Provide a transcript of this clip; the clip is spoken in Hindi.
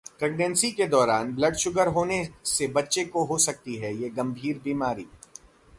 प्रेग्नेंसी के दौरान ब्लड शुगर होने से बच्चे को सकती है ये गंभीर बीमारी